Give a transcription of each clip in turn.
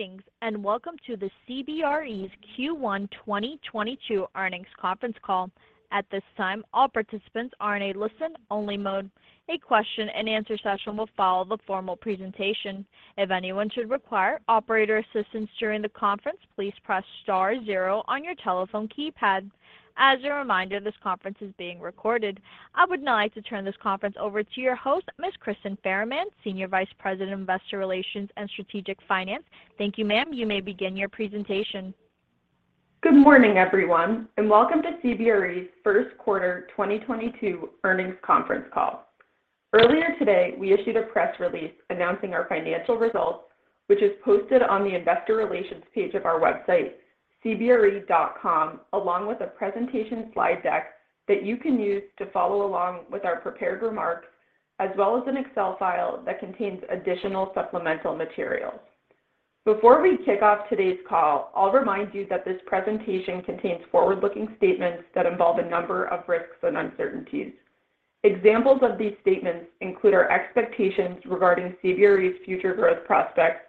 Greetings, and welcome to the CBRE's Q1 2022 earnings conference call. At this time, all participants are in a listen-only mode. A question-and-answer session will follow the formal presentation. If anyone should require operator assistance during the conference, please press star zero on your telephone keypad. As a reminder, this conference is being recorded. I would now like to turn this conference over to your host, Ms. Kristyn Farahmand, Senior Vice President, Investor Relations and Strategic Finance. Thank you, ma'am. You may begin your presentation. Good morning, everyone, and welcome to CBRE's first quarter 2022 earnings conference call. Earlier today, we issued a press release announcing our financial results, which is posted on the investor relations page of our website, cbre.com, along with a presentation slide deck that you can use to follow along with our prepared remarks, as well as an Excel file that contains additional supplemental materials. Before we kick off today's call, I'll remind you that this presentation contains forward-looking statements that involve a number of risks and uncertainties. Examples of these statements include our expectations regarding CBRE's future growth prospects,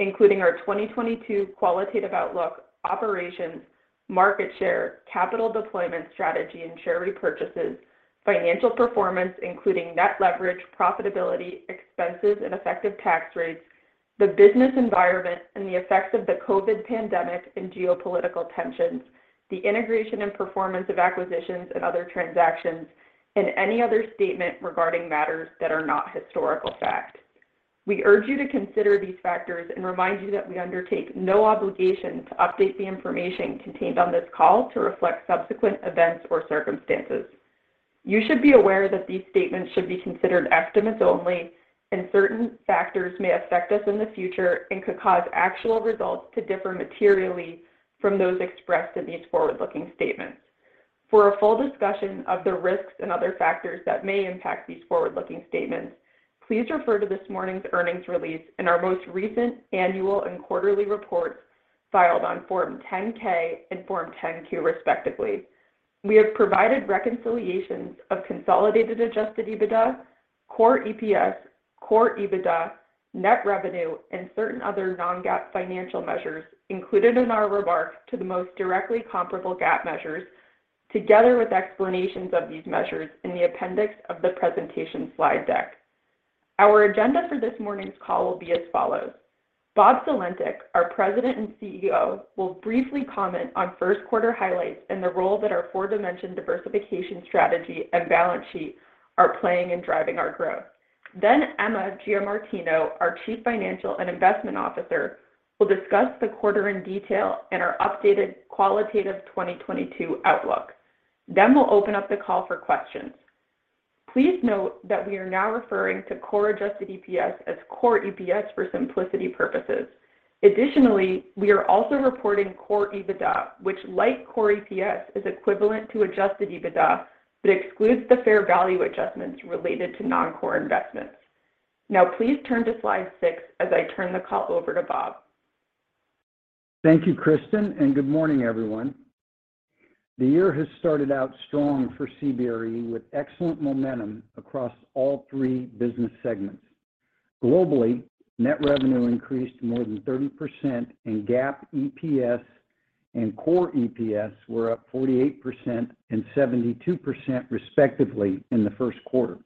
including our 2022 qualitative outlook, operations, market share, capital deployment strategy, and share repurchases, financial performance, including net leverage, profitability, expenses, and effective tax rates, the business environment and the effects of the COVID pandemic and geopolitical tensions, the integration and performance of acquisitions and other transactions, and any other statement regarding matters that are not historical fact. We urge you to consider these factors and remind you that we undertake no obligation to update the information contained on this call to reflect subsequent events or circumstances. You should be aware that these statements should be considered estimates only, and certain factors may affect us in the future and could cause actual results to differ materially from those expressed in these forward-looking statements. For a full discussion of the risks and other factors that may impact these forward-looking statements, please refer to this morning's earnings release and our most recent annual and quarterly reports filed on Form 10-K and Form 10-Q, respectively. We have provided reconciliations of consolidated Adjusted EBITDA, Core EPS, Core EBITDA, net revenue, and certain other non-GAAP financial measures included in our remarks to the most directly comparable GAAP measures, together with explanations of these measures in the appendix of the presentation slide deck. Our agenda for this morning's call will be as follows. Bob Sulentic, our President and CEO, will briefly comment on first quarter highlights and the role that our four-dimension diversification strategy and balance sheet are playing in driving our growth. Emma Giamartino, our Chief Financial and Investment Officer, will discuss the quarter in detail and our updated qualitative 2022 outlook. We'll open up the call for questions. Please note that we are now referring to core Adjusted EPS as Core EPS for simplicity purposes. Additionally, we are also reporting Core EBITDA, which like Core EPS, is equivalent to Adjusted EBITDA, but excludes the fair value adjustments related to non-core investments. Now, please turn to slide six as I turn the call over to Bob. Thank you, Kristyn, and good morning, everyone. The year has started out strong for CBRE with excellent momentum across all three business segments. Globally, net revenue increased more than 30%, and GAAP EPS and Core EPS were up 48% and 72% respectively in the first quarter.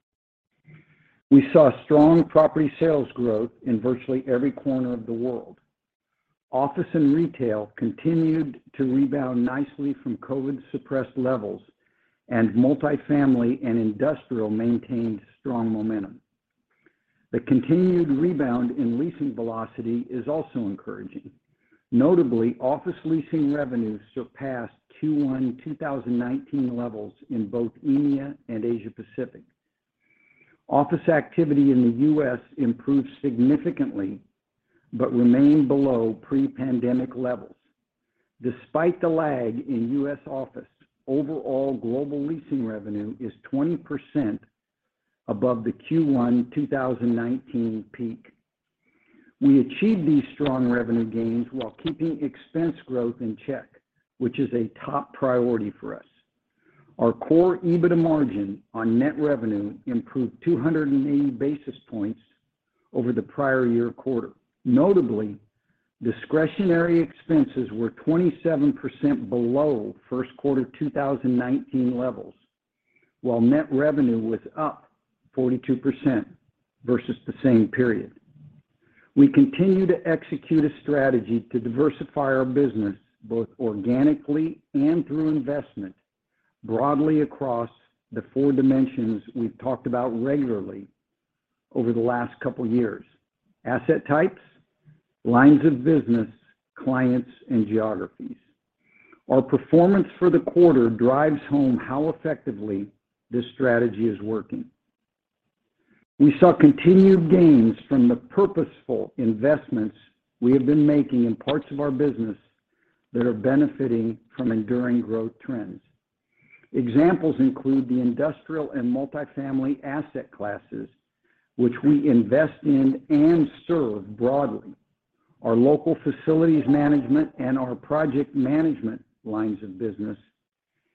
We saw strong property sales growth in virtually every corner of the world. Office and retail continued to rebound nicely from COVID suppressed levels and multifamily and industrial maintained strong momentum. The continued rebound in leasing velocity is also encouraging. Notably, office leasing revenues surpassed 2019 levels in both EMEA and Asia Pacific. Office activity in the U.S. improved significantly, but remained below pre-pandemic levels. Despite the lag in U.S. office, overall global leasing revenue is 20% above the Q1 2019 peak. We achieved these strong revenue gains while keeping expense growth in check, which is a top priority for us. Our Core EBITDA margin on net revenue improved 280 basis points over the prior year quarter. Notably, discretionary expenses were 27% below first quarter 2019 levels, while net revenue was up 42% versus the same period. We continue to execute a strategy to diversify our business both organically and through investment broadly across the four dimensions we've talked about regularly over the last couple years, asset types, lines of business, clients, and geographies. Our performance for the quarter drives home how effectively this strategy is working. We saw continued gains from the purposeful investments we have been making in parts of our business that are benefiting from enduring growth trends. Examples include the industrial and multifamily asset classes, which we invest in and serve broadly, our local facilities management and our project management lines of business,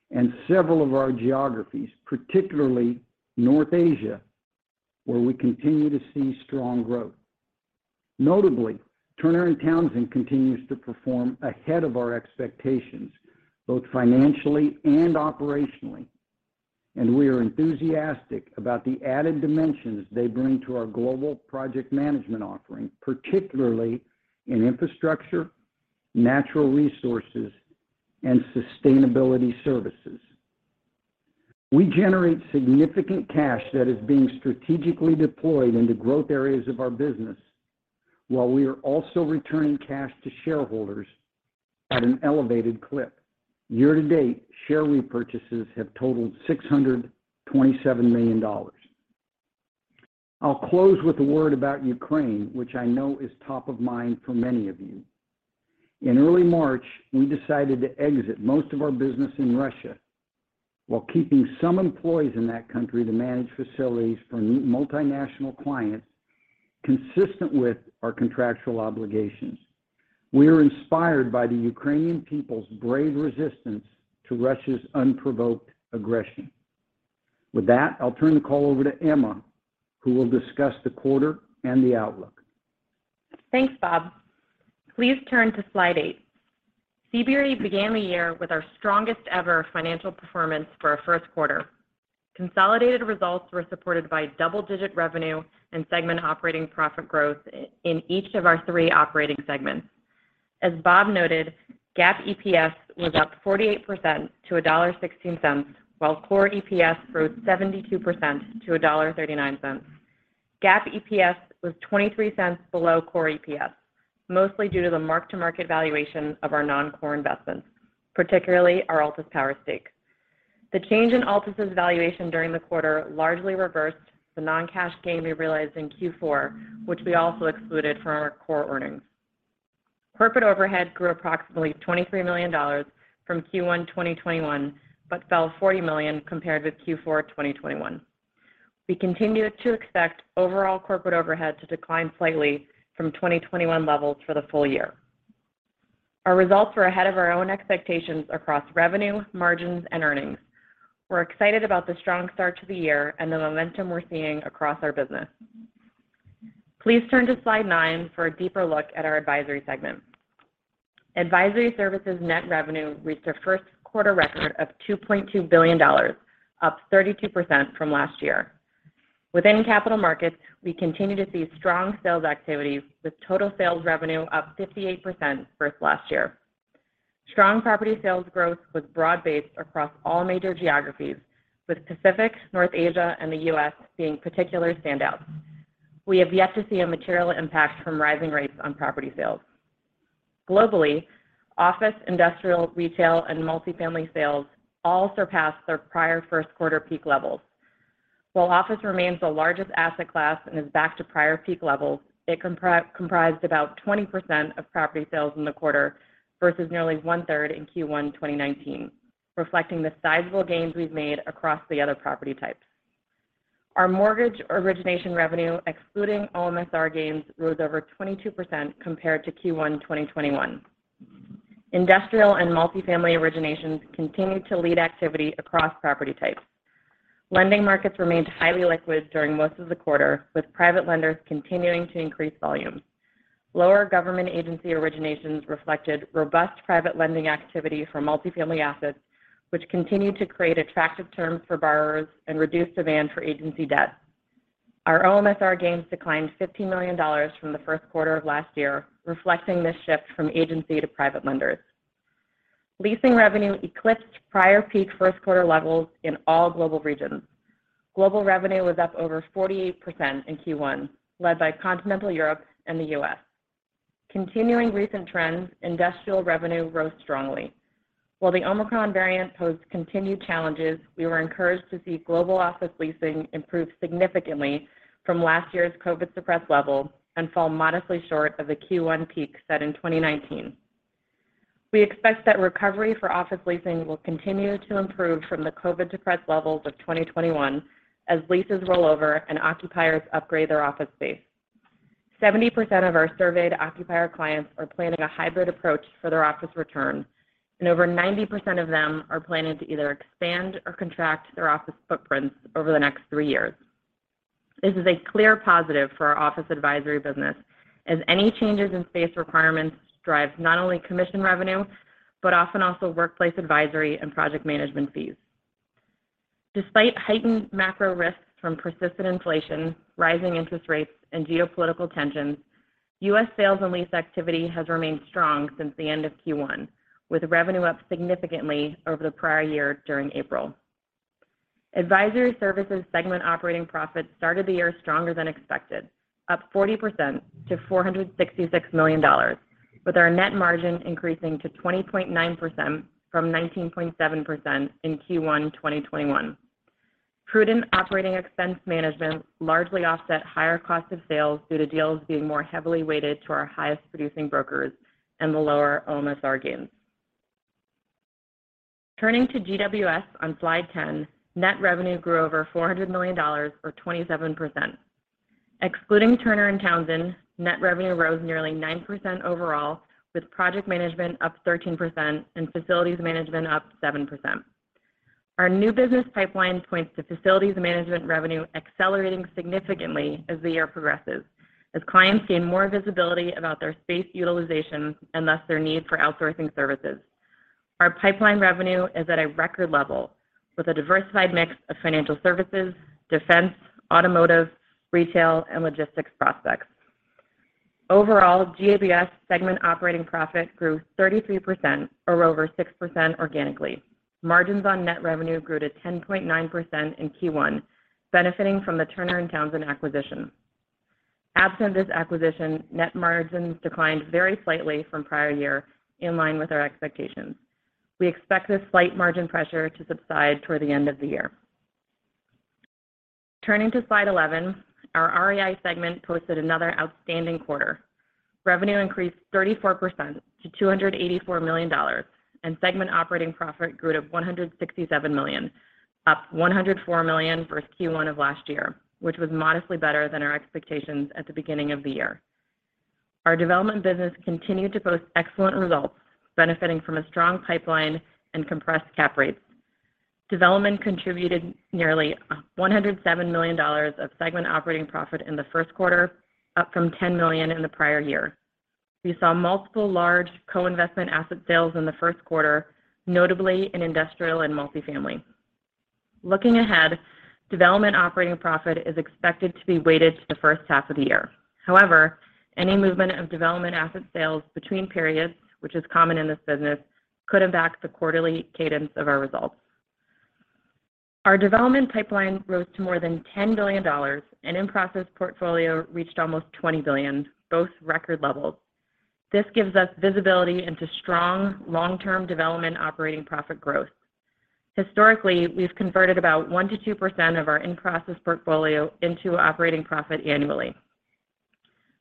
and several of our geographies, particularly North Asia. Where we continue to see strong growth. Notably, Turner & Townsend continues to perform ahead of our expectations, both financially and operationally, and we are enthusiastic about the added dimensions they bring to our global project management offering, particularly in infrastructure, natural resources, and sustainability services. We generate significant cash that is being strategically deployed into growth areas of our business while we are also returning cash to shareholders at an elevated clip. Year to date, share repurchases have totaled $627 million. I'll close with a word about Ukraine, which I know is top of mind for many of you. In early March, we decided to exit most of our business in Russia while keeping some employees in that country to manage facilities for multinational clients consistent with our contractual obligations. We are inspired by the Ukrainian people's brave resistance to Russia's unprovoked aggression. With that, I'll turn the call over to Emma, who will discuss the quarter and the outlook. Thanks, Bob. Please turn to slide eight. CBRE began the year with our strongest ever financial performance for our first quarter. Consolidated results were supported by double-digit revenue and segment operating profit growth in each of our three operating segments. As Bob noted, GAAP EPS was up 48% to $1.16, while Core EPS grew 72% to $1.39. GAAP EPS was $0.23 below Core EPS, mostly due to the mark-to-market valuation of our non-core investments, particularly our Altus Power stake. The change in Altus' valuation during the quarter largely reversed the non-cash gain we realized in Q4, which we also excluded from our core earnings. Corporate overhead grew approximately $23 million from Q1 2021, but fell $40 million compared with Q4 2021. We continue to expect overall corporate overhead to decline slightly from 2021 levels for the full year. Our results were ahead of our own expectations across revenue, margins, and earnings. We're excited about the strong start to the year and the momentum we're seeing across our business. Please turn to slide nine for a deeper look at our advisory segment. Advisory Services net revenue reached a first quarter record of $2.2 billion, up 32% from last year. Within capital markets, we continue to see strong sales activity with total sales revenue up 58% versus last year. Strong property sales growth was broad-based across all major geographies, with Pacific, North Asia, and the U.S. being particular standouts. We have yet to see a material impact from rising rates on property sales. Globally, office, industrial, retail, and multifamily sales all surpassed their prior first quarter peak levels. While office remains the largest asset class and is back to prior peak levels, it comprised about 20% of property sales in the quarter versus nearly 1/3 in Q1 2019, reflecting the sizable gains we've made across the other property types. Our mortgage origination revenue, excluding OMSR gains, rose over 22% compared to Q1 2021. Industrial and multifamily originations continued to lead activity across property types. Lending markets remained highly liquid during most of the quarter, with private lenders continuing to increase volume. Lower government agency originations reflected robust private lending activity for multifamily assets, which continued to create attractive terms for borrowers and reduced demand for agency debt. Our OMSR gains declined $15 million from the first quarter of last year, reflecting this shift from agency to private lenders. Leasing revenue eclipsed prior peak first quarter levels in all global regions. Global revenue was up over 48% in Q1, led by continental Europe and the U.S. Continuing recent trends, industrial revenue grew strongly. While the Omicron variant posed continued challenges, we were encouraged to see global office leasing improve significantly from last year's COVID-suppressed level and fall modestly short of the Q1 peak set in 2019. We expect that recovery for office leasing will continue to improve from the COVID-depressed levels of 2021 as leases roll over and occupiers upgrade their office space. 70% of our surveyed occupier clients are planning a hybrid approach for their office return, and over 90% of them are planning to either expand or contract their office footprints over the next three years. This is a clear positive for our office advisory business as any changes in space requirements drive not only commission revenue, but often also workplace advisory and project management fees. Despite heightened macro risks from persistent inflation, rising interest rates, and geopolitical tensions, U.S. sales and lease activity has remained strong since the end of Q1, with revenue up significantly over the prior year during April. Advisory Services segment operating profits started the year stronger than expected, up 40% to $466 million, with our net margin increasing to 20.9% from 19.7% in Q1 2021. Prudent operating expense management largely offset higher cost of sales due to deals being more heavily weighted to our highest-producing brokers and the lower OMSR gains. Turning to GWS on slide 10, net revenue grew over $400 million or 27%. Excluding Turner & Townsend, net revenue rose nearly 9% overall with project management up 13% and facilities management up 7%. Our new business pipeline points to facilities management revenue accelerating significantly as the year progresses as clients gain more visibility about their space utilization and thus their need for outsourcing services. Our pipeline revenue is at a record level with a diversified mix of financial services, defense, automotive, retail, and logistics prospects. Overall, GABS segment operating profit grew 33% or over 6% organically. Margins on net revenue grew to 10.9% in Q1, benefiting from the Turner & Townsend acquisition. Absent this acquisition, net margins declined very slightly from prior year in line with our expectations. We expect this slight margin pressure to subside toward the end of the year. Turning to slide 11, our REI segment posted another outstanding quarter. Revenue increased 34% to $284 million, and segment operating profit grew to $167 million, up $104 million versus Q1 of last year, which was modestly better than our expectations at the beginning of the year. Our development business continued to post excellent results, benefiting from a strong pipeline and compressed cap rates. Development contributed nearly $107 million of segment operating profit in the first quarter, up from $10 million in the prior year. We saw multiple large co-investment asset sales in the first quarter, notably in industrial and multifamily. Looking ahead, development operating profit is expected to be weighted to the first half of the year. However, any movement of development asset sales between periods, which is common in this business, could impact the quarterly cadence of our results. Our development pipeline rose to more than $10 billion, and in-process portfolio reached almost $20 billion, both record levels. This gives us visibility into strong long-term development operating profit growth. Historically, we've converted about 1%-2% of our in-process portfolio into operating profit annually.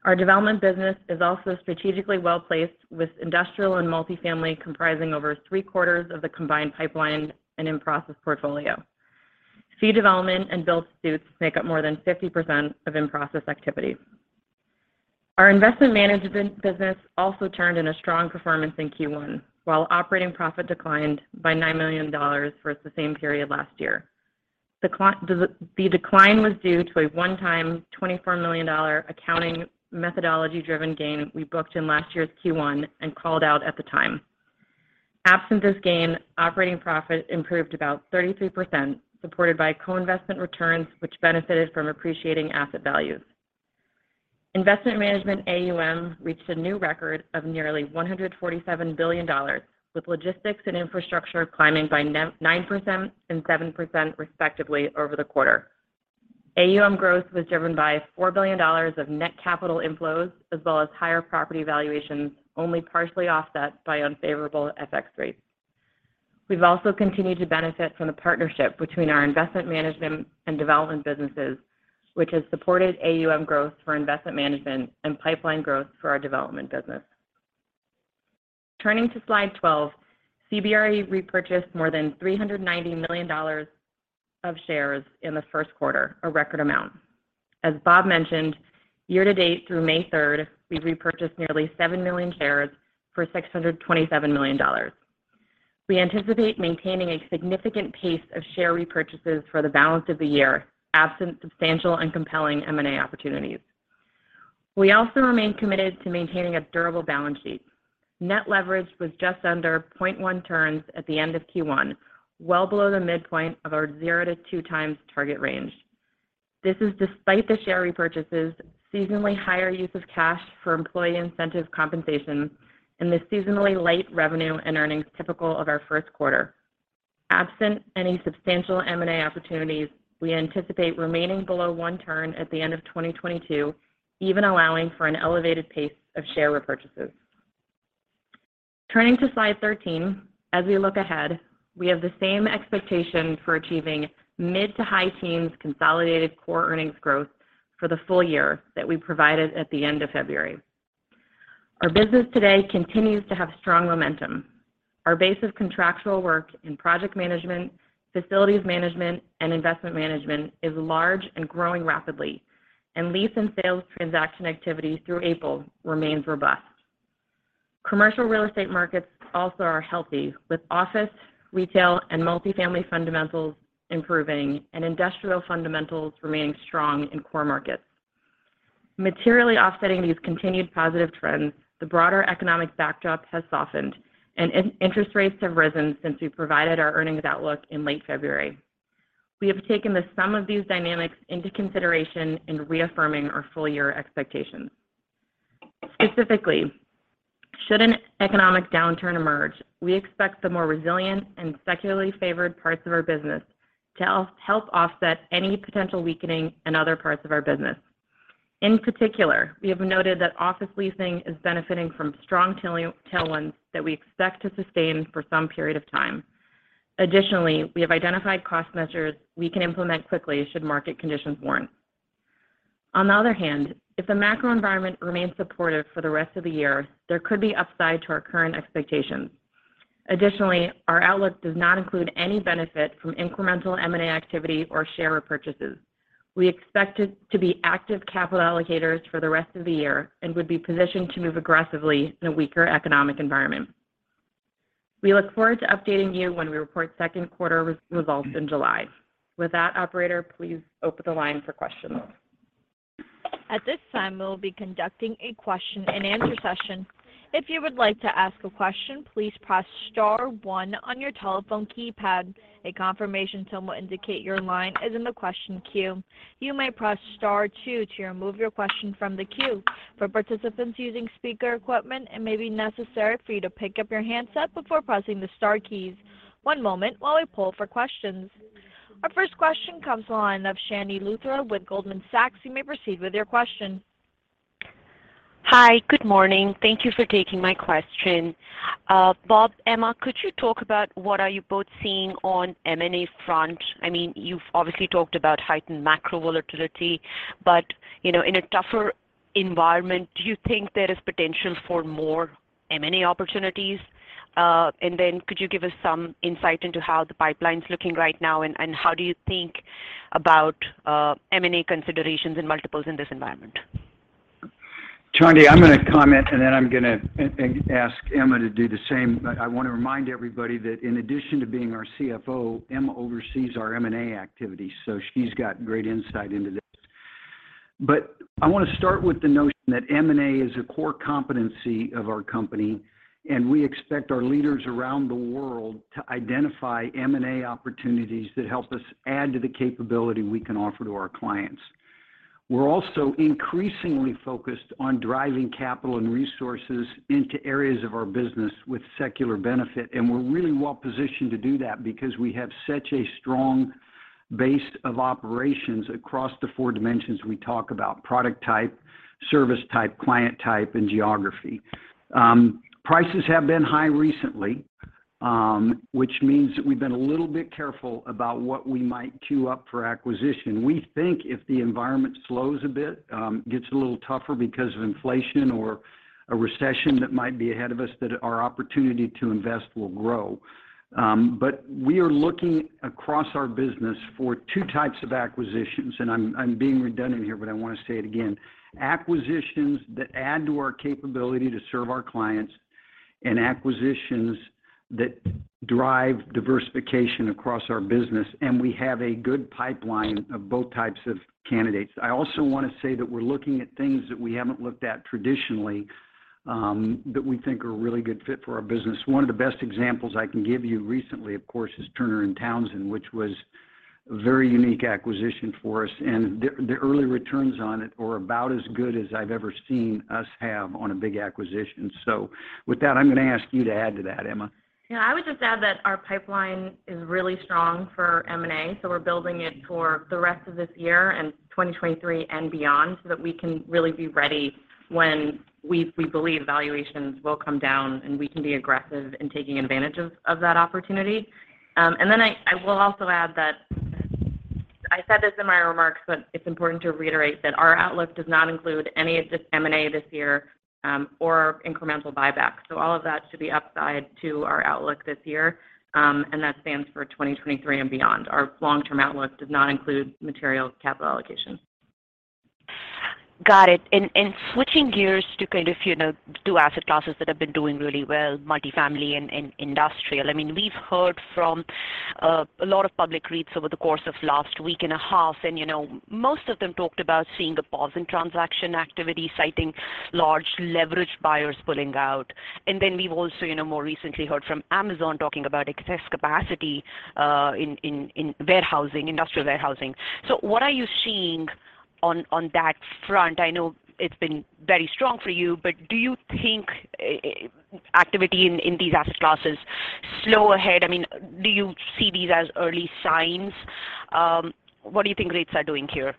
Our development business is also strategically well-placed with industrial and multifamily comprising over three-quarters of the combined pipeline and in-process portfolio. Fee development and build-to-suits make up more than 50% of in-process activity. Our investment management business also turned in a strong performance in Q1 while operating profit declined by $9 million versus the same period last year. The decline was due to a one-time $24 million-dollar accounting methodology driven gain we booked in last year's Q1 and called out at the time. Absent this gain, operating profit improved about 33%, supported by co-investment returns, which benefited from appreciating asset values. Investment Management AUM reached a new record of nearly $147 billion, with logistics and infrastructure climbing by 9% and 7% respectively over the quarter. AUM growth was driven by $4 billion of net capital inflows, as well as higher property valuations, only partially offset by unfavorable FX rates. We've also continued to benefit from the partnership between our investment management and development businesses, which has supported AUM growth for investment management and pipeline growth for our development business. Turning to slide 12, CBRE repurchased more than $390 million of shares in the first quarter, a record amount. As Bob mentioned, year to date through May third, we've repurchased nearly 7 million shares for $627 million. We anticipate maintaining a significant pace of share repurchases for the balance of the year, absent substantial and compelling M&A opportunities. We also remain committed to maintaining a durable balance sheet. Net leverage was just under 0.1 turns at the end of Q1, well below the midpoint of our 0-2x target range. This is despite the share repurchases, seasonally higher use of cash for employee incentive compensation, and the seasonally light revenue and earnings typical of our first quarter. Absent any substantial M&A opportunities, we anticipate remaining below 1 turn at the end of 2022, even allowing for an elevated pace of share repurchases. Turning to slide 13, as we look ahead, we have the same expectation for achieving mid- to high-teens consolidated core earnings growth for the full year that we provided at the end of February. Our business today continues to have strong momentum. Our base of contractual work in project management, facilities management, and investment management is large and growing rapidly, and lease and sales transaction activity through April remains robust. Commercial real estate markets also are healthy, with office, retail, and multifamily fundamentals improving and industrial fundamentals remaining strong in core markets. Materially offsetting these continued positive trends, the broader economic backdrop has softened and interest rates have risen since we provided our earnings outlook in late February. We have taken the sum of these dynamics into consideration in reaffirming our full-year expectations. Specifically, should an economic downturn emerge, we expect the more resilient and secularly favored parts of our business to help offset any potential weakening in other parts of our business. In particular, we have noted that office leasing is benefiting from strong tailwind, tailwinds that we expect to sustain for some period of time. Additionally, we have identified cost measures we can implement quickly should market conditions warrant. On the other hand, if the macro environment remains supportive for the rest of the year, there could be upside to our current expectations. Additionally, our outlook does not include any benefit from incremental M&A activity or share repurchases. We expect to be active capital allocators for the rest of the year and would be positioned to move aggressively in a weaker economic environment. We look forward to updating you when we report second quarter results in July. With that, operator, please open the line for questions. At this time, we will be conducting a question and answer session. If you would like to ask a question, please press star one on your telephone keypad. A confirmation tone will indicate your line is in the question queue. You may press star two to remove your question from the queue. For participants using speaker equipment, it may be necessary for you to pick up your handset before pressing the star keys. One moment while we poll for questions. Our first question comes to the line of Chandni Luthra with Goldman Sachs. You may proceed with your question. Hi. Good morning. Thank you for taking my question. Bob, Emma, could you talk about what are you both seeing on M&A front? I mean, you've obviously talked about heightened macro volatility, but, you know, in a tougher environment, do you think there is potential for more M&A opportunities? And then could you give us some insight into how the pipeline's looking right now and how do you think about M&A considerations and multiples in this environment? Chandni, I'm gonna comment, and then I'm gonna ask Emma to do the same. I wanna remind everybody that in addition to being our CFO, Emma oversees our M&A activity, so she's got great insight into this. I wanna start with the notion that M&A is a core competency of our company, and we expect our leaders around the world to identify M&A opportunities that help us add to the capability we can offer to our clients. We're also increasingly focused on driving capital and resources into areas of our business with secular benefit, and we're really well positioned to do that because we have such a strong base of operations across the four dimensions we talk about, product type, service type, client type, and geography. Prices have been high recently, which means that we've been a little bit careful about what we might queue up for acquisition. We think if the environment slows a bit, gets a little tougher because of inflation or a recession that might be ahead of us, that our opportunity to invest will grow. We are looking across our business for two types of acquisitions, and I'm being redundant here, but I wanna say it again. Acquisitions that add to our capability to serve our clients and acquisitions that drive diversification across our business, and we have a good pipeline of both types of candidates. I also wanna say that we're looking at things that we haven't looked at traditionally, that we think are a really good fit for our business. One of the best examples I can give you recently, of course, is Turner & Townsend, which was a very unique acquisition for us. The early returns on it are about as good as I've ever seen us have on a big acquisition. With that, I'm gonna ask you to add to that, Emma. Yeah. I would just add that our pipeline is really strong for M&A, so we're building it for the rest of this year and 2023 and beyond, so that we can really be ready when we believe valuations will come down, and we can be aggressive in taking advantage of that opportunity. I will also add that I said this in my remarks, but it's important to reiterate that our outlook does not include any of this M&A this year, or incremental buybacks. All of that should be upside to our outlook this year, and that stands for 2023 and beyond. Our long-term outlook does not include material capital allocations. Got it. Switching gears to kind of, you know, two asset classes that have been doing really well, multifamily and industrial. I mean, we've heard from a lot of public REITs over the course of last week and a half. Most of them talked about seeing a pause in transaction activity, citing large leveraged buyers pulling out. Then we've also, you know, more recently heard from Amazon talking about excess capacity in warehousing, industrial warehousing. What are you seeing on that front? I know it's been very strong for you, but do you think activity in these asset classes slow ahead? I mean, do you see these as early signs? What do you think rates are doing here?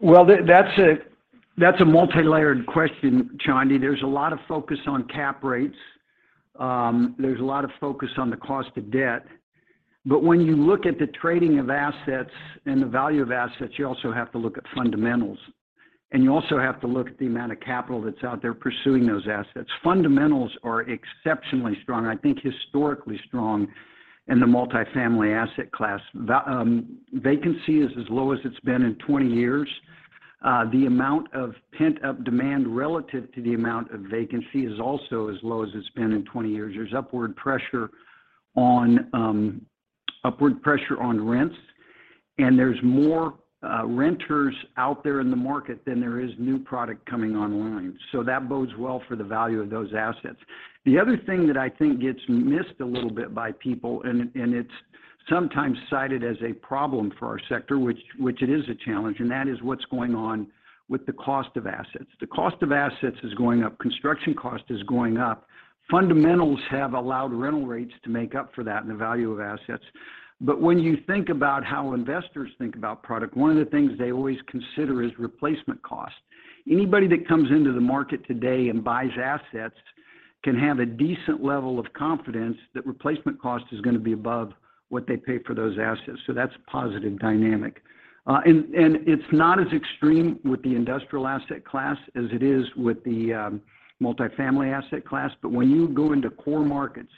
Well, that's a multilayered question, Chandni. There's a lot of focus on cap rates. There's a lot of focus on the cost of debt. When you look at the trading of assets and the value of assets, you also have to look at fundamentals, and you also have to look at the amount of capital that's out there pursuing those assets. Fundamentals are exceptionally strong, and I think historically strong in the multifamily asset class. Vacancy is as low as it's been in 20 years. The amount of pent-up demand relative to the amount of vacancy is also as low as it's been in 20 years. There's upward pressure on rents, and there's more renters out there in the market than there is new product coming online. That bodes well for the value of those assets. The other thing that I think gets missed a little bit by people, and it's sometimes cited as a problem for our sector, which it is a challenge, and that is what's going on with the cost of assets. The cost of assets is going up. Construction cost is going up. Fundamentals have allowed rental rates to make up for that in the value of assets. When you think about how investors think about product, one of the things they always consider is replacement cost. Anybody that comes into the market today and buys assets can have a decent level of confidence that replacement cost is gonna be above what they pay for those assets, so that's a positive dynamic. It's not as extreme with the industrial asset class as it is with the multifamily asset class. When you go into core markets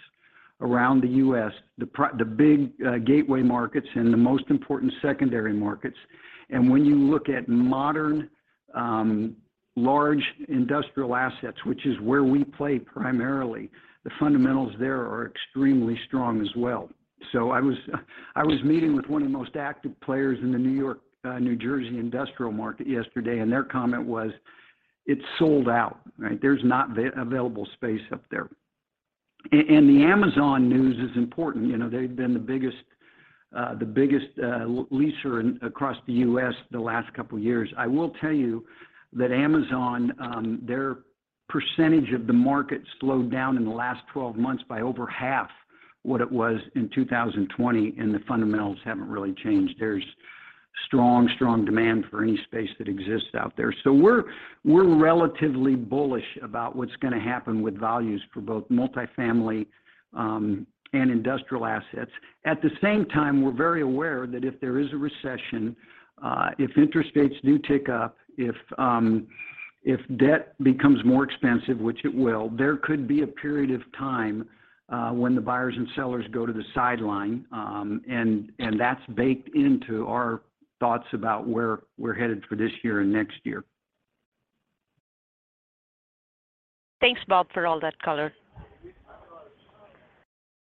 around the U.S., the big gateway markets and the most important secondary markets. When you look at modern large industrial assets, which is where we play primarily, the fundamentals there are extremely strong as well. I was meeting with one of the most active players in the New York New Jersey industrial market yesterday, and their comment was, "It's sold out." Right. There's not available space up there. And the Amazon news is important. You know, they've been the biggest leaser across the U.S. the last couple years. I will tell you that Amazon, their percentage of the market slowed down in the last 12 months by over half what it was in 2020, and the fundamentals haven't really changed. There's strong demand for any space that exists out there. We're relatively bullish about what's gonna happen with values for both multifamily and industrial assets. At the same time, we're very aware that if there is a recession, if interest rates do tick up, if debt becomes more expensive, which it will, there could be a period of time when the buyers and sellers go to the sideline. That's baked into our thoughts about where we're headed for this year and next year. Thanks, Bob, for all that color.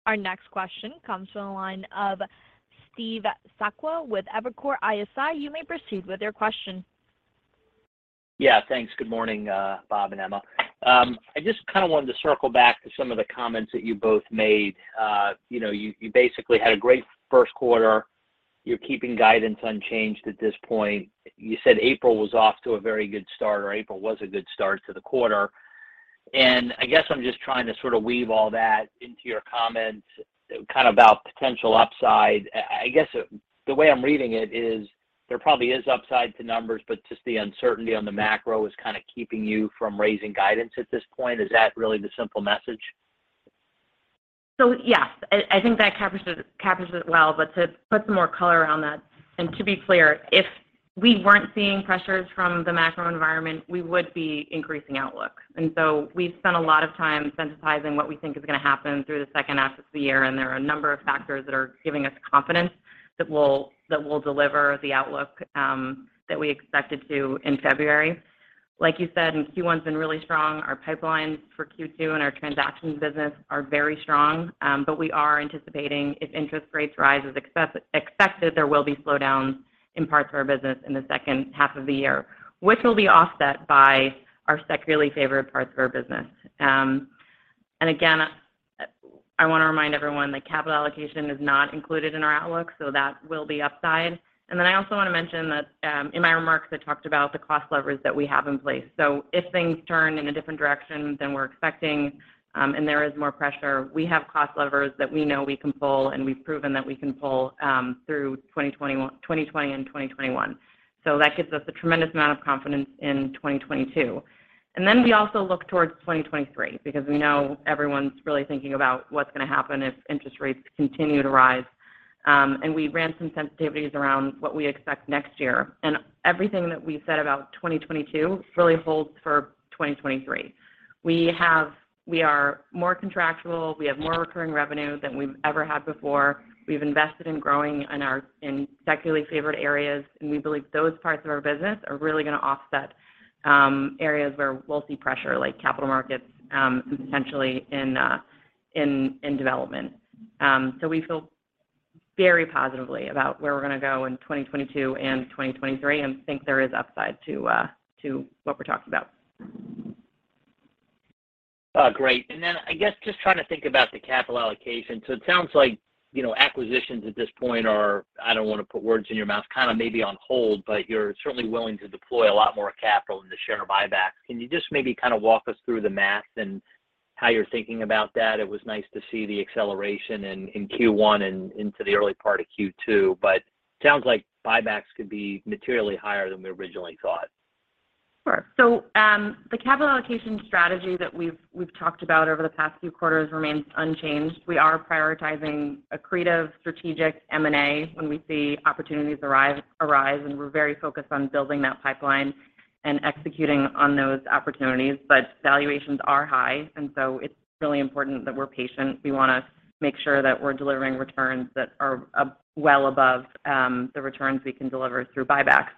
Our next question comes from the line of Steve Sakwa with Evercore ISI. You may proceed with your question. Yeah, thanks. Good morning, Bob and Emma. I just kind of wanted to circle back to some of the comments that you both made. You know, you basically had a great first quarter. You're keeping guidance unchanged at this point. You said April was off to a very good start, or April was a good start to the quarter. I guess, I'm just trying to sort of weave all that into your comments kind of about potential upside. I guess, the way I'm reading it is there probably is upside to numbers, but just the uncertainty on the macro is kind of keeping you from raising guidance at this point. Is that really the simple message? Yes, I think that captures it well. To put some more color on that, and to be clear, if we weren't seeing pressures from the macro environment, we would be increasing outlook. We've spent a lot of time sensitizing what we think is gonna happen through the second half of the year, and there are a number of factors that are giving us confidence that we'll deliver the outlook that we expected to in February. Like you said, Q1's been really strong. Our pipelines for Q2 and our transactions business are very strong. We are anticipating if interest rates rise as expected, there will be slowdowns in parts of our business in the second half of the year, which will be offset by our secularly favored parts of our business. I want to remind everyone that capital allocation is not included in our outlook, so that will be upside. I also want to mention that in my remarks, I talked about the cost levers that we have in place. If things turn in a different direction than we're expecting and there is more pressure, we have cost levers that we know we can pull, and we've proven that we can pull through 2020 and 2021. That gives us a tremendous amount of confidence in 2022. We also look towards 2023 because we know everyone's really thinking about what's gonna happen if interest rates continue to rise. We ran some sensitivities around what we expect next year. Everything that we said about 2022 really holds for 2023. We are more contractual. We have more recurring revenue than we've ever had before. We've invested in growing in secularly favored areas, and we believe those parts of our business are really gonna offset areas where we'll see pressure, like capital markets, and potentially in development. We feel very positively about where we're gonna go in 2022 and 2023 and think there is upside to what we're talking about. Great. Then I guess just trying to think about the capital allocation. It sounds like, you know, acquisitions at this point are, I don't wanna put words in your mouth, kind of maybe on hold, but you're certainly willing to deploy a lot more capital into share buybacks. Can you just maybe kind of walk us through the math and how you're thinking about that? It was nice to see the acceleration in Q1 and into the early part of Q2, but sounds like buybacks could be materially higher than we originally thought. Sure. The capital allocation strategy that we've talked about over the past few quarters remains unchanged. We are prioritizing accretive strategic M&A when we see opportunities arise, and we're very focused on building that pipeline and executing on those opportunities. Valuations are high, and it's really important that we're patient. We wanna make sure that we're delivering returns that are well above the returns we can deliver through buybacks.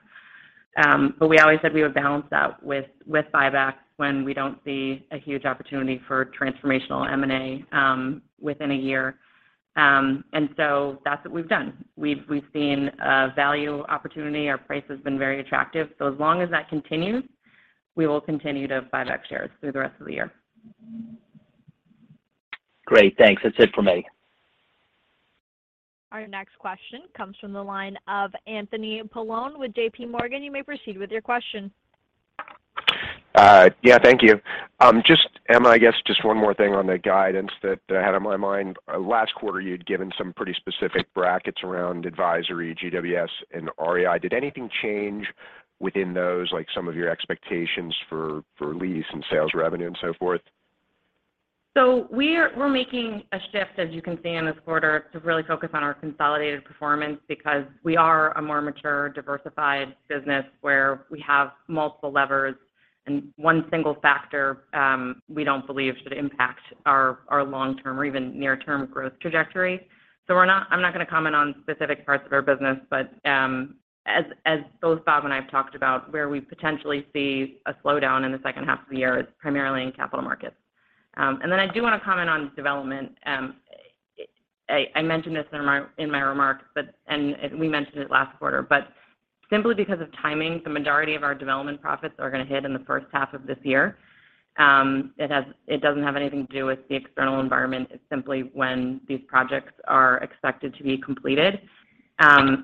We always said we would balance that with buybacks when we don't see a huge opportunity for transformational M&A within a year. That's what we've done. We've seen value opportunity. Our price has been very attractive. As long as that continues, we will continue to buy back shares through the rest of the year. Great. Thanks. That's it for me. Our next question comes from the line of Anthony Paolone with JPMorgan. You may proceed with your question. Yeah, thank you. Just, Emma, I guess, just one more thing on the guidance that I had on my mind. Last quarter, you'd given some pretty specific brackets around advisory, GWS and REI. Did anything change within those, like some of your expectations for lease and sales revenue and so forth? We're making a shift, as you can see in this quarter, to really focus on our consolidated performance because we are a more mature, diversified business where we have multiple levers. One single factor, we don't believe should impact our long-term or even near-term growth trajectory. I'm not gonna comment on specific parts of our business, but, as both Bob and I have talked about where we potentially see a slowdown in the second half of the year is primarily in capital markets. Then I do wanna comment on development. I mentioned this in my remarks, but we mentioned it last quarter. Simply because of timing, the majority of our development profits are gonna hit in the first half of this year. It doesn't have anything to do with the external environment. It's simply when these projects are expected to be completed.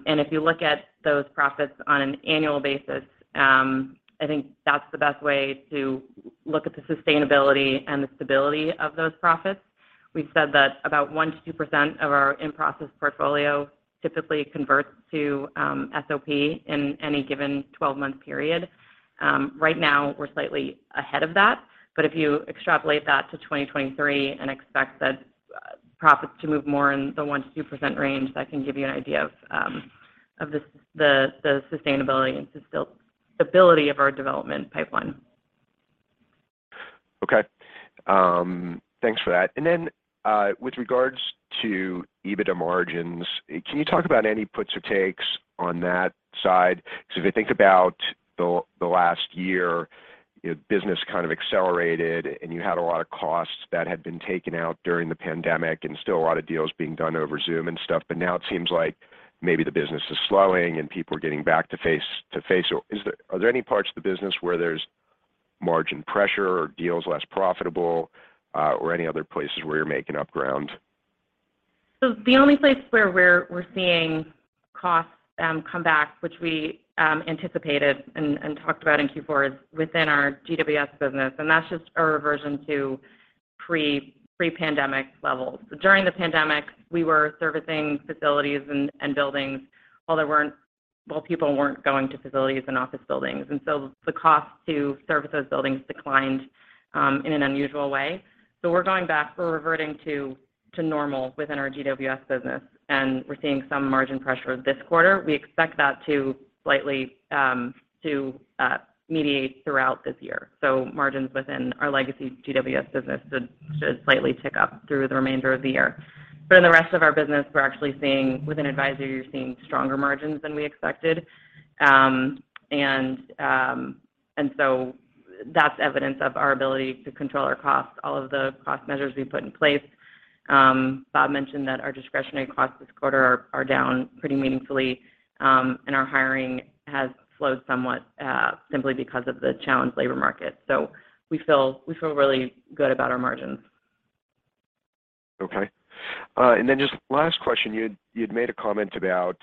If you look at those profits on an annual basis, I think that's the best way to look at the sustainability and the stability of those profits. We've said that about 1%-2% of our in-process portfolio typically converts to SOP in any given twelve-month period. Right now we're slightly ahead of that, but if you extrapolate that to 2023 and expect the profits to move more in the 1%-2% range, that can give you an idea of the sustainability and stability of our development pipeline. Okay. Thanks for that. With regards to EBITDA margins, can you talk about any puts or takes on that side? Because if you think about the last year, you know, business kind of accelerated, and you had a lot of costs that had been taken out during the pandemic, and still a lot of deals being done over Zoom and stuff, but now it seems like maybe the business is slowing and people are getting back to face to face. Are there any parts of the business where there's margin pressure or deals less profitable, or any other places where you're making up ground? The only place where we're seeing costs come back, which we anticipated and talked about in Q4, is within our GWS business, and that's just our reversion to pre-pandemic levels. During the pandemic, we were servicing facilities and buildings while people weren't going to facilities and office buildings. The cost to service those buildings declined in an unusual way. We're going back. We're reverting to normal within our GWS business, and we're seeing some margin pressure this quarter. We expect that to slightly moderate throughout this year. Margins within our legacy GWS business should slightly tick up through the remainder of the year. In the rest of our business, we're actually seeing. In advisory, you're seeing stronger margins than we expected. That's evidence of our ability to control our costs, all of the cost measures we put in place. Bob mentioned that our discretionary costs this quarter are down pretty meaningfully, and our hiring has slowed somewhat, simply because of the challenged labor market. We feel really good about our margins. Okay. Just last question. You'd made a comment about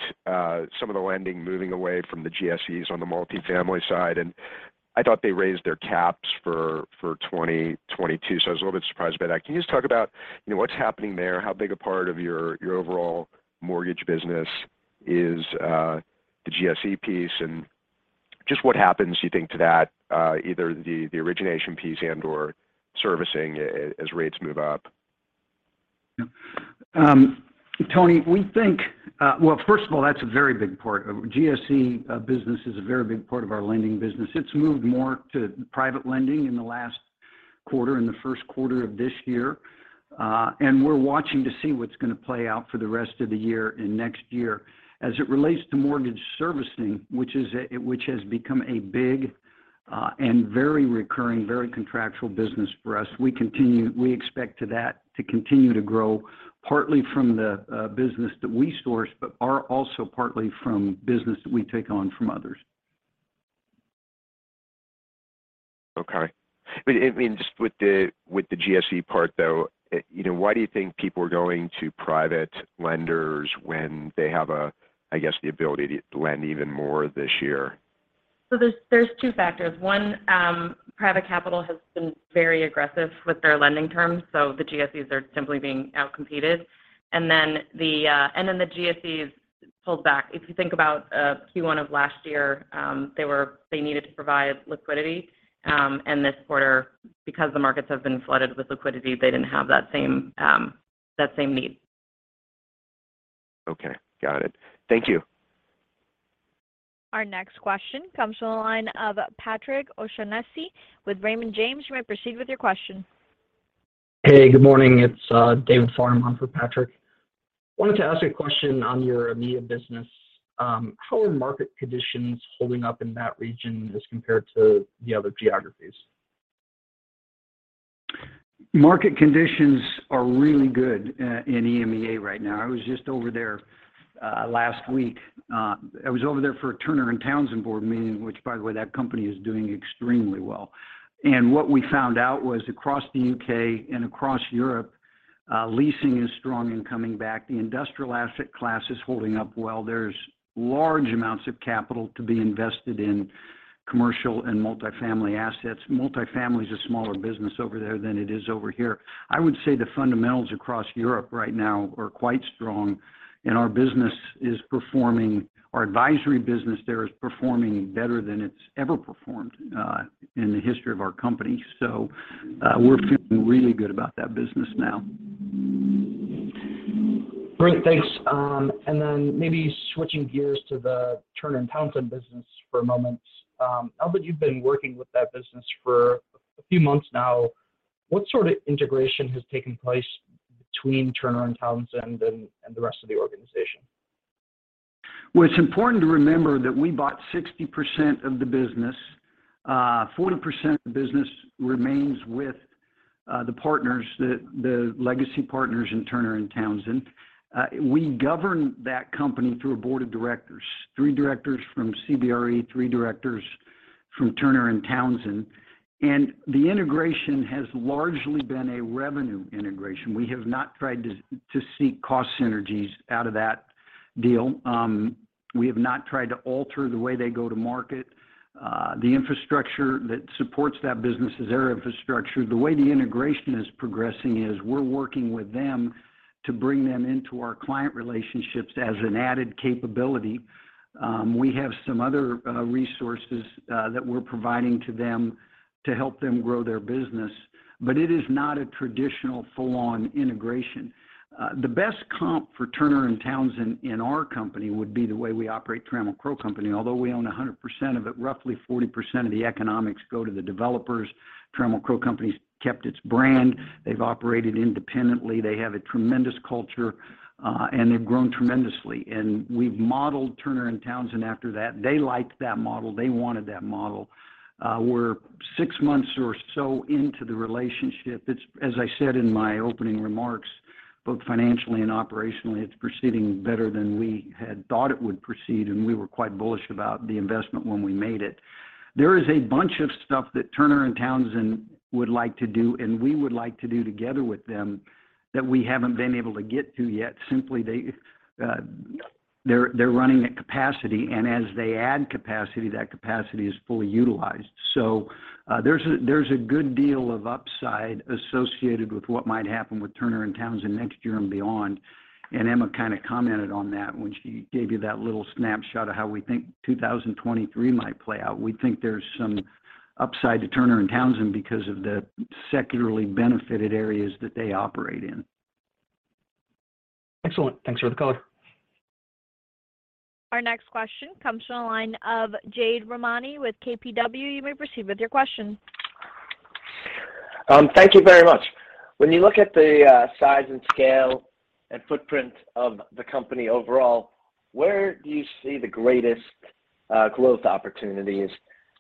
some of the lending moving away from the GSEs on the multifamily side, and I thought they raised their caps for 2022. I was a little bit surprised by that. Can you just talk about, you know, what's happening there? How big a part of your overall mortgage business is the GSE piece? And just what happens, you think, to that, either the origination piece and/or servicing as rates move up? Yeah. Tony, we think. Well, first of all, that's a very big part. GSE business is a very big part of our lending business. It's moved more to private lending in the last quarter, in the first quarter of this year. We're watching to see what's gonna play out for the rest of the year and next year. As it relates to mortgage servicing, which has become a big and very recurring, very contractual business for us, we expect that to continue to grow partly from the business that we source, but also partly from business that we take on from others. Okay. I mean, just with the GSE part, though, you know, why do you think people are going to private lenders when they have a, I guess, the ability to lend even more this year? There's two factors. One, private capital has been very aggressive with their lending terms, so the GSEs are simply being outcompeted. The GSEs pulled back. If you think about Q1 of last year, they needed to provide liquidity, and this quarter, because the markets have been flooded with liquidity, they didn't have that same need. Okay. Got it. Thank you. Our next question comes from the line of Patrick O'Shaughnessy with Raymond James. You may proceed with your question. Hey, good morning. It's David Farn on for Patrick O'Shaughnessy. Wanted to ask a question on your EMEA business. How are market conditions holding up in that region as compared to the other geographies? Market conditions are really good in EMEA right now. I was just over there last week. I was over there for a Turner & Townsend board meeting, which by the way, that company is doing extremely well. What we found out was across the U.K. and across Europe, leasing is strong and coming back. The industrial asset class is holding up well. There's large amounts of capital to be invested in commercial and multifamily assets. Multifamily is a smaller business over there than it is over here. I would say the fundamentals across Europe right now are quite strong, and our business is performing. Our advisory business there is performing better than it's ever performed in the history of our company. We're feeling really good about that business now. Great. Thanks. Maybe switching gears to the Turner & Townsend business for a moment. Bob, you've been working with that business for a few months now. What sort of integration has taken place between Turner & Townsend and the rest of the organization? Well, it's important to remember that we bought 60% of the business. 40% of the business remains with the partners, the legacy partners in Turner & Townsend. We govern that company through a board of directors, three directors from CBRE, three directors from Turner & Townsend. The integration has largely been a revenue integration. We have not tried to seek cost synergies out of that deal. We have not tried to alter the way they go to market. The infrastructure that supports that business is their infrastructure. The way the integration is progressing is we're working with them to bring them into our client relationships as an added capability. We have some other resources that we're providing to them to help them grow their business, but it is not a traditional full-on integration. The best comp for Turner & Townsend in our company would be the way we operate Trammell Crow Company. Although we own 100% of it, roughly 40% of the economics go to the developers. Trammell Crow Company's kept its brand. They've operated independently. They have a tremendous culture, and they've grown tremendously. We've modeled Turner & Townsend after that. They liked that model. They wanted that model. We're six months or so into the relationship. As I said in my opening remarks, both financially and operationally, it's proceeding better than we had thought it would proceed, and we were quite bullish about the investment when we made it. There is a bunch of stuff that Turner & Townsend would like to do, and we would like to do together with them that we haven't been able to get to yet. Simply, they're running at capacity, and as they add capacity, that capacity is fully utilized. There's a good deal of upside associated with what might happen with Turner & Townsend next year and beyond. Emma kind of commented on that when she gave you that little snapshot of how we think 2023 might play out. We think there's some upside to Turner & Townsend because of the secularly benefited areas that they operate in. Excellent. Thanks for the color. Our next question comes from the line of Jade Rahmani with KBW. You may proceed with your question. Thank you very much. When you look at the size and scale and footprint of the company overall, where do you see the greatest growth opportunities?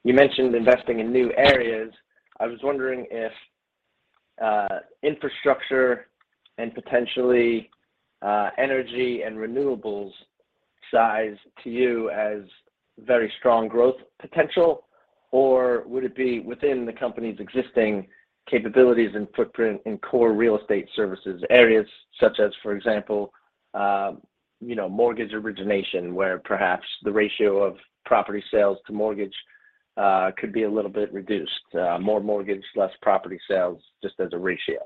You mentioned investing in new areas. I was wondering if infrastructure and potentially energy and renewables seem to you as very strong growth potential, or would it be within the company's existing capabilities and footprint in core real estate services areas, such as, for example, you know, mortgage origination, where perhaps the ratio of property sales to mortgage could be a little bit reduced, more mortgage, less property sales, just as a ratio?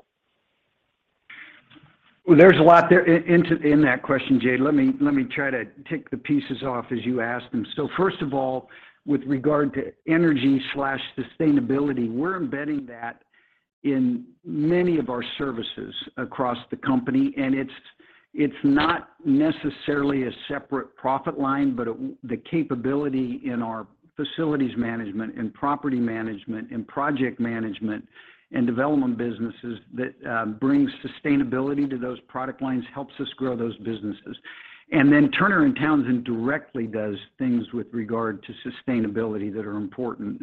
Well, there's a lot there in that question, Jade. Let me try to tick the pieces off as you ask them. First of all, with regard to energy/sustainability, we're embedding that in many of our services across the company, and it's not necessarily a separate profit line, but it the capability in our facilities management and property management and project management and development businesses that brings sustainability to those product lines helps us grow those businesses. Then Turner & Townsend directly does things with regard to sustainability that are important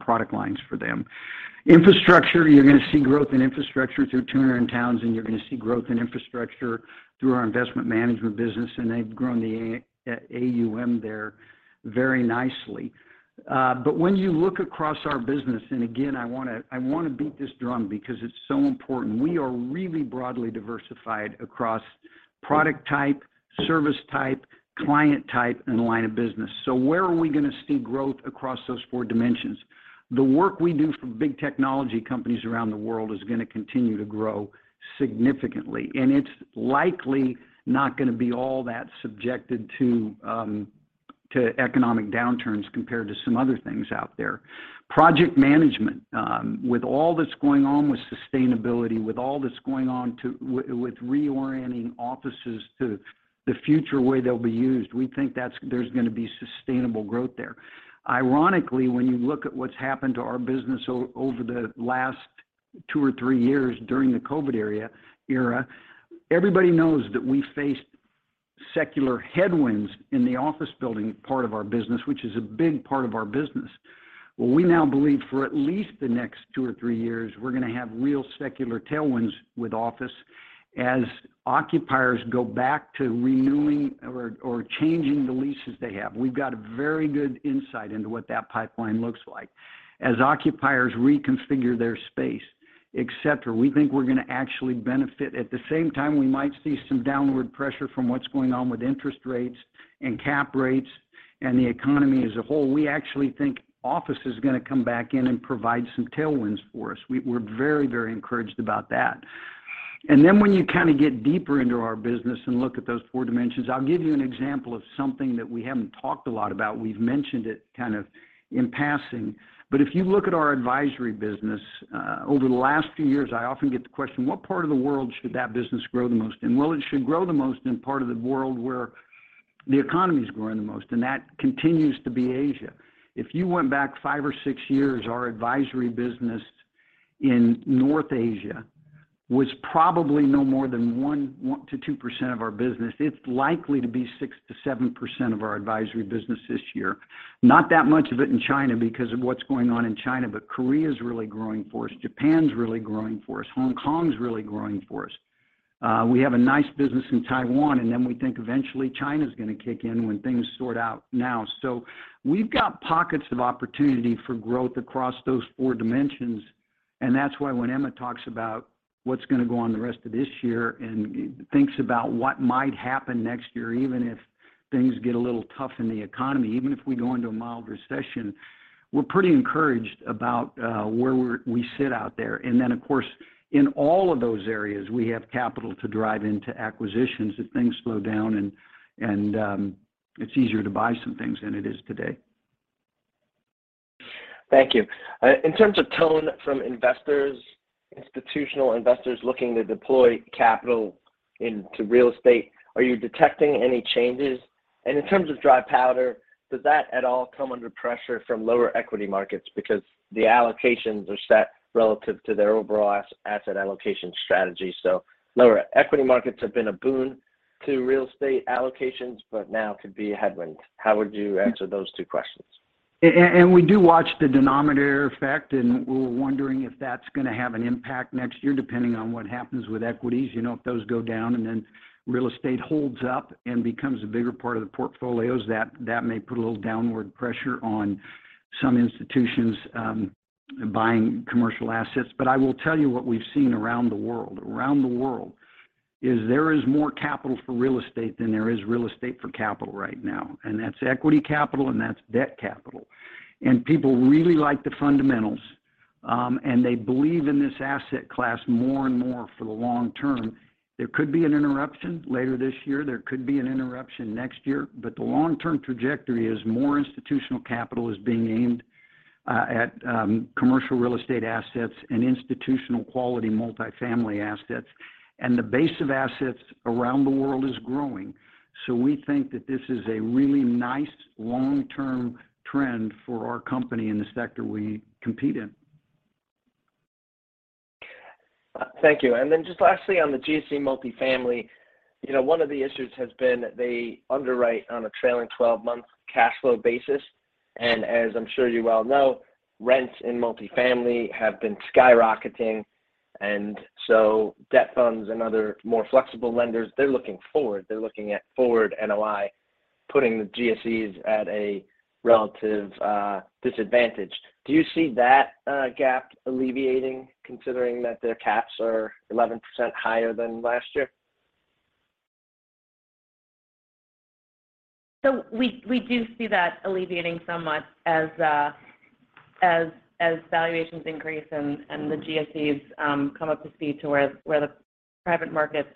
product lines for them. Infrastructure, you're gonna see growth in infrastructure through Turner & Townsend. You're gonna see growth in infrastructure through our investment management business, and they've grown the AUM there very nicely. When you look across our business, and again, I wanna beat this drum because it's so important, we are really broadly diversified across product type, service type, client type, and line of business. Where are we gonna see growth across those four dimensions? The work we do for big technology companies around the world is gonna continue to grow significantly, and it's likely not gonna be all that subjected to economic downturns compared to some other things out there. Project management, with all that's going on with sustainability, with all that's going on with reorienting offices to the future way they'll be used, we think that's there's gonna be sustainable growth there. Ironically, when you look at what's happened to our business over the last two or three years during the COVID era, everybody knows that we faced secular headwinds in the office building part of our business, which is a big part of our business. Well, we now believe for at least the next two or three years, we're gonna have real secular tailwinds with office as occupiers go back to renewing or changing the leases they have. We've got a very good insight into what that pipeline looks like. As occupiers reconfigure their space, et cetera, we think we're gonna actually benefit. At the same time, we might see some downward pressure from what's going on with interest rates and cap rates and the economy as a whole. We actually think office is gonna come back in and provide some tailwinds for us. We're very encouraged about that. When you kind of get deeper into our business and look at those four dimensions, I'll give you an example of something that we haven't talked a lot about. We've mentioned it kind of in passing. If you look at our advisory business over the last few years, I often get the question, what part of the world should that business grow the most in? It should grow the most in part of the world where the economy is growing the most, and that continues to be Asia. If you went back five or six years, our advisory business in North Asia was probably no more than 1%-2% of our business. It's likely to be 6%-7% of our advisory business this year. Not that much of it in China because of what's going on in China, but Korea is really growing for us, Japan's really growing for us, Hong Kong's really growing for us. We have a nice business in Taiwan, and then we think eventually China's gonna kick in when things sort out now. We've got pockets of opportunity for growth across those four dimensions, and that's why when Emma talks about what's gonna go on the rest of this year and thinks about what might happen next year, even if things get a little tough in the economy, even if we go into a mild recession, we're pretty encouraged about where we sit out there. Of course, in all of those areas, we have capital to drive into acquisitions if things slow down and it's easier to buy some things than it is today. Thank you. In terms of tone from investors, institutional investors looking to deploy capital into real estate, are you detecting any changes? In terms of dry powder, does that at all come under pressure from lower equity markets? Because the allocations are set relative to their overall asset allocation strategy. Lower equity markets have been a boon to real estate allocations, but now could be a headwind. How would you answer those two questions? We do watch the denominator effect, and we're wondering if that's gonna have an impact next year, depending on what happens with equities. You know, if those go down and then real estate holds up and becomes a bigger part of the portfolios, that may put a little downward pressure on some institutions buying commercial assets. I will tell you what we've seen around the world. Around the world, there is more capital for real estate than there is real estate for capital right now, and that's equity capital and that's debt capital. People really like the fundamentals, and they believe in this asset class more and more for the long term. There could be an interruption later this year. There could be an interruption next year. The long-term trajectory is more institutional capital is being aimed at commercial real estate assets and institutional quality multifamily assets. The base of assets around the world is growing. We think that this is a really nice long-term trend for our company in the sector we compete in. Thank you. Then just lastly, on the GSE multifamily, you know, one of the issues has been they underwrite on a trailing 12-month cash flow basis. As I'm sure you well know, rents in multifamily have been skyrocketing. Debt funds and other more flexible lenders, they're looking forward. They're looking at forward NOI, putting the GSEs at a relative disadvantage. Do you see that gap alleviating considering that their caps are 11% higher than last year? We do see that alleviating somewhat as valuations increase and the GSEs come up to speed to where the private markets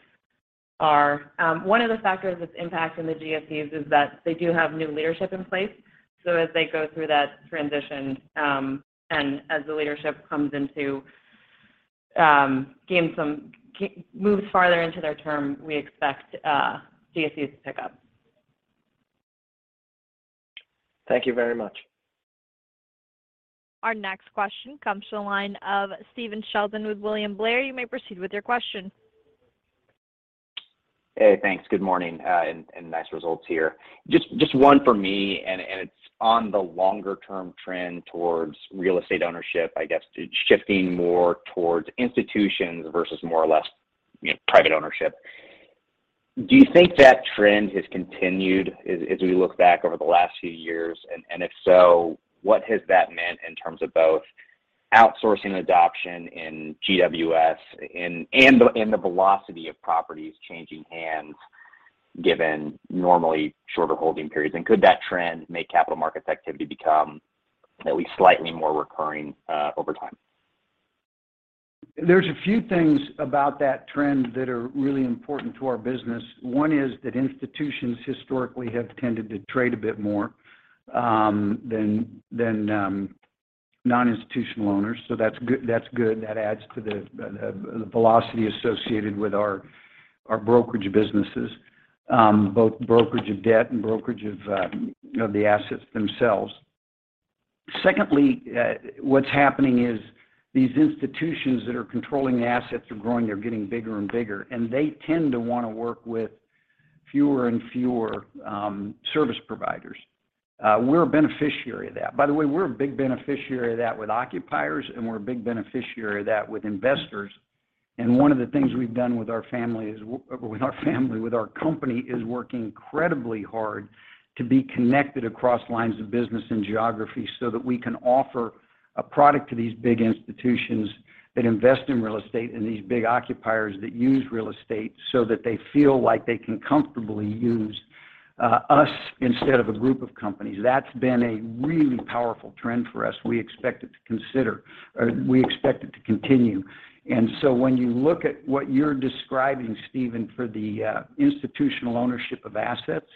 are. One of the factors that's impacting the GSEs is that they do have new leadership in place. As they go through that transition, and as the leadership comes into moves farther into their term, we expect GSEs to pick up. Thank you very much. Our next question comes to the line of Stephen Sheldon with William Blair. You may proceed with your question. Hey, thanks. Good morning, nice results here. Just one for me, and it's on the longer term trend towards real estate ownership, I guess, to shifting more towards institutions versus more or less, you know, private ownership. Do you think that trend has continued as we look back over the last few years? If so, what has that meant in terms of both outsourcing adoption in GWS and the velocity of properties changing hands given normally shorter holding periods? Could that trend make capital markets activity become at least slightly more recurring over time? There's a few things about that trend that are really important to our business. One is that institutions historically have tended to trade a bit more than non-institutional owners. So that's good. That adds to the velocity associated with our brokerage businesses, both brokerage of debt and brokerage of you know the assets themselves. Secondly, what's happening is these institutions that are controlling the assets are growing. They're getting bigger and bigger, and they tend to wanna work with fewer and fewer service providers. We're a beneficiary of that. By the way, we're a big beneficiary of that with occupiers, and we're a big beneficiary of that with investors. One of the things we've done with our family is- ...with our family, with our company, work incredibly hard to be connected across lines of business and geography so that we can offer a product to these big institutions that invest in real estate and these big occupiers that use real estate so that they feel like they can comfortably use us instead of a group of companies. That's been a really powerful trend for us. We expect it to continue. When you look at what you're describing, Stephen, for the institutional ownership of assets,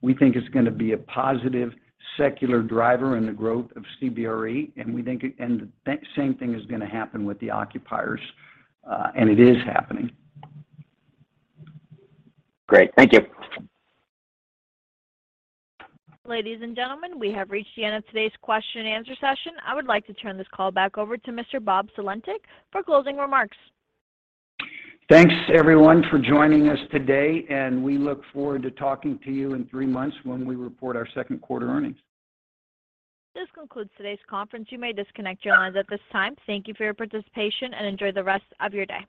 we think it's gonna be a positive secular driver in the growth of CBRE, and we think it. The same thing is gonna happen with the occupiers, and it is happening. Great. Thank you. Ladies and gentlemen, we have reached the end of today's question and answer session. I would like to turn this call back over to Mr. Bob Sulentic for closing remarks. Thanks, everyone, for joining us today, and we look forward to talking to you in three months when we report our second quarter earnings. This concludes today's conference. You may disconnect your lines at this time. Thank you for your participation and enjoy the rest of your day.